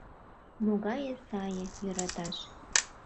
Могае сае йӧраташ.